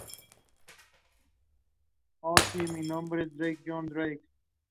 Oh sí, mi nombre es Drake, John Drake.